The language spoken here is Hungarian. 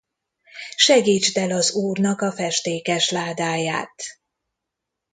Segítsd el az úrnak a festékes ládáját!